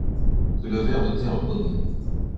Que le ver de terre connaît